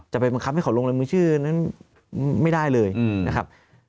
ไปบังคับให้เขาลงรายมือชื่อนั้นไม่ได้เลยนะครับ